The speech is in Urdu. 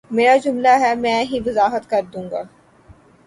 میرا جملہ ہے میں ہی وضاحت کر دوں گا